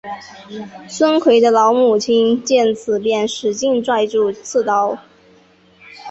孙奎的老母亲见此便使劲攥住刺刀。